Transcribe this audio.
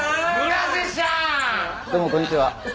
どうもこんにちは。